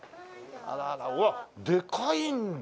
あらあらうわっでかいんだ！